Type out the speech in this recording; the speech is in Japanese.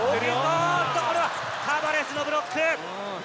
おっとこれはタバレスのブロック。